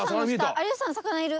有吉さんの魚いる下。